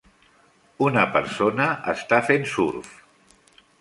Una persona està fent surf.